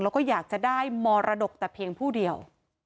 แล้วก็อยากจะได้มรดกแต่เพียงผู้เดียว